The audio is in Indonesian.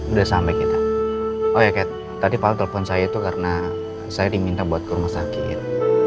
udah sampai kita oh ya kayak tadi pak telepon saya itu karena saya diminta buat ke rumah sakit